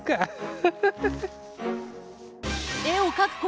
フフフフ。